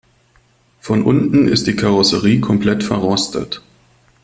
Von unten ist die Karosserie komplett verrostet.